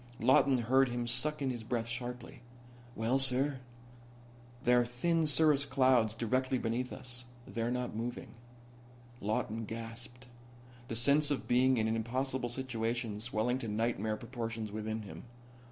Lawton heard him suck in his breath sharply. "Well, sir?" "There are thin cirrus clouds directly beneath us. They're not moving." Lawton gasped, the sense of being in an impossible situation swelling to nightmare proportions within him.